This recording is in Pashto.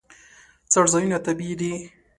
څړځایونه طبیعي دي.